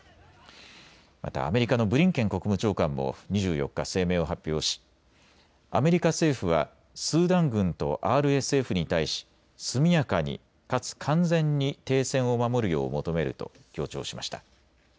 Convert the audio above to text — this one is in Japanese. またアメリカのブリンケン国務長官も２４日、声明を発表しアメリカ政府はスーダン軍とＲＳＦに対し速やかにかつ完全に停戦を守るよう求めると強調しました。